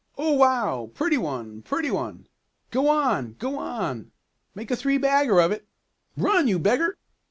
"Oh, wow! Pretty one! Pretty one!" "Go on! Go on!" "Make a three bagger of it!" "Run, you beggar!"